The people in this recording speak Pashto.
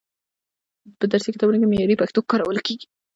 په درسي کتابونو کې معیاري پښتو کارول کیږي.